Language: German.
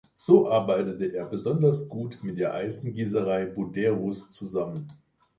So arbeitete er besonders gut mit der Eisengießerei Buderus zusammen.